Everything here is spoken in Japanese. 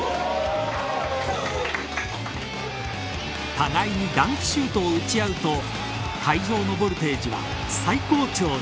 互いにダンクシュートを打ち合うと会場のボルテージは最高潮に。